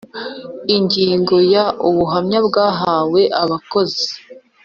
Ingingo ya ubuhamya bwahawe abakozi